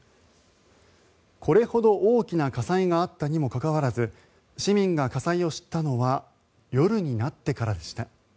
これほど大きな火災があったにもかかわらず市民が火災を知ったのは夜になってからでした。